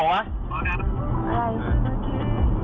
อะไร